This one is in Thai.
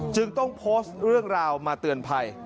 จึงต้องโพสต์เรื่องราวมาเตือนภัย